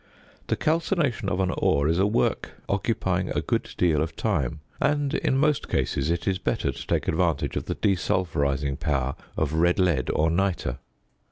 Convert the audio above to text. The calcination of an ore is a work occupying a good deal of time, and, in most cases, it is better to take advantage of the desulphurizing power of red lead or nitre.